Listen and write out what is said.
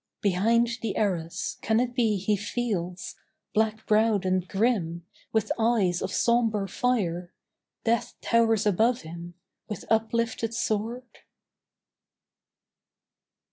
Behind the arras, can it be he feels, Black browed and grim, with eyes of sombre fire, Death towers above him with uplifted sword?